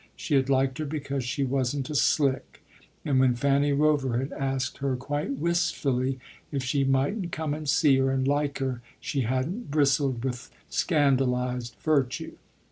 She had liked her because she wasn't a slick, and when Fanny Rover had asked her quite wistfully if she mightn't come and see her and like her she hadn't bristled with scandalised virtue.